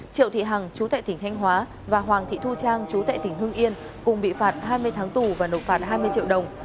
triệu thị hằng chú tại tỉnh thanh hóa và hoàng thị thu trang chú tại tỉnh hưng yên cùng bị phạt hai mươi tháng tù và nộp phạt hai mươi triệu đồng